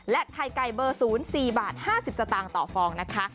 ไข่ไก่เบอร์๐๔บาท๕๐สตางค์ต่อฟองนะคะ